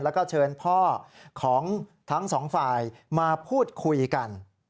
แล้วก็เชิญพ่อของทั้งสองฝ่ายมาพูดคุยกัน